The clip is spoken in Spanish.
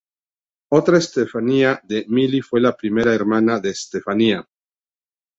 Otra Estefanía de Milly fue la prima hermana de esta Estefanía.